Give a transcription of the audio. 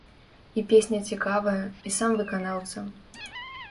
І песня цікавая, і сам выканаўца.